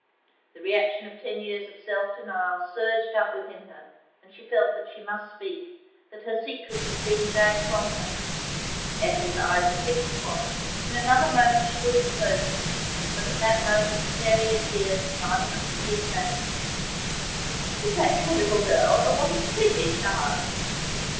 The reaction of ten years of self denial surged up within her, and she felt that she must speak, that her secret was being dragged from her. Ethel's eyes were fixed upon her in another moment she would have spoken, but at that moment Nellie appeared climbing up the steep bank. 'Is that your little girl? Oh, what a pretty child!'